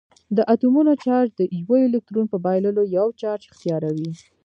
د اتومونو چارج د یوه الکترون په بایللو یو چارج اختیاروي.